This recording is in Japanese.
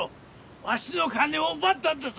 わしの金を奪ったんだぞ！